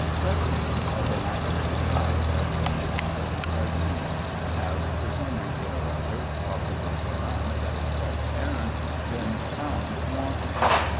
Such hymns, having been actually tried by the only com petent tribunal, have, for some reason or other, possibly for none that is quite apparent, been found wanting.